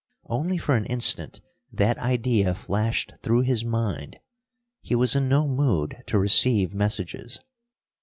Only for an instant that idea flashed through his mind. He was in no mood to receive messages.